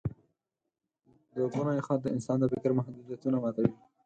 دوګوني خط د انسان د فکر محدودیتونه ماتوي.